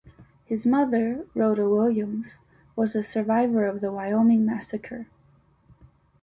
His mother, Rhoda Williams, was a survivor of the Wyoming Massacre.